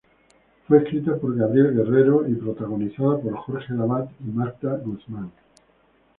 Fue escrita por Gabriel Guerrero y protagonizada por Jorge Lavat y Magda Guzmán.